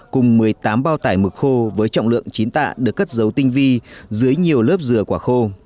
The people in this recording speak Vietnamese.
cùng một mươi tám bao tải mực khô với trọng lượng chín tạ được cất dấu tinh vi dưới nhiều lớp dừa quả khô